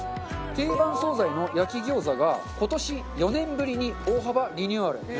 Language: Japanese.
定番惣菜の焼き餃子が今年４年ぶりに大幅リニューアル。